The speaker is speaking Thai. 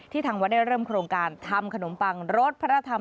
ทางวัดได้เริ่มโครงการทำขนมปังรสพระธรรม